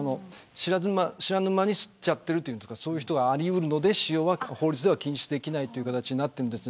知らぬ間に吸っちゃっているというかそういうことがあり得るので使用は法律では禁止できないということになっています。